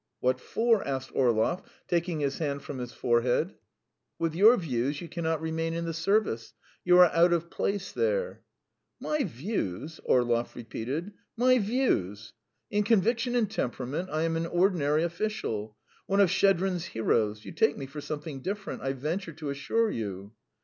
"What for?" asked Orlov, taking his hand from his forehead. "With your views you cannot remain in the service. You are out of place there." "My views?" Orlov repeated. "My views? In conviction and temperament I am an ordinary official, one of Shtchedrin's heroes. You take me for something different, I venture to assure you."